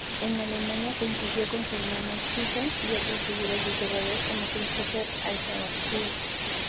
En Alemania coincidió con su hermano Stephen y otras figuras literarias, como Christopher Isherwood.